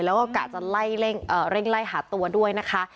แล้วก็กะจะไล่เล่งเอ่อเร่งไล่หาตัวด้วยนะคะ